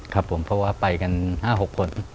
ครับผมเพราะว่าไปกัน๕๖คน